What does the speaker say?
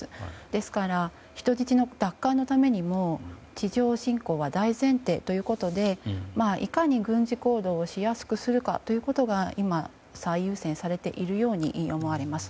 ですから、人質の奪還のためにも地上侵攻は大前提ということでいかに軍事行動をしやすくするかということが今、最優先されているように思われます。